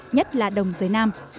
nhất là đồng giới nam